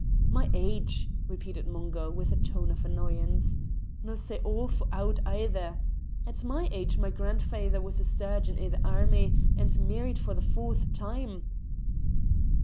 "My age!" repeated Mungo, with a tone of annoyance. "No' sae awfu' auld either. At my age my grandfaither was a sergeant i' the airmy, and married for the fourth time."